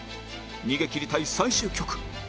逃げ切りたい最終局